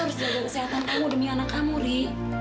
kamu tuh harus jaga kesehatan kamu demi anak kamu ri